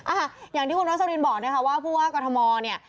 อ่าอย่างที่คุณน้องเซอรินบอกนะคะว่าพวกกรทมเนี่ย